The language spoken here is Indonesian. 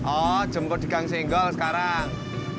oh jemput di gang singgol sekarang